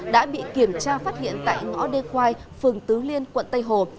đã bị kiểm tra phát hiện tại ngõ đê quai phường tứ liên quận tây hồ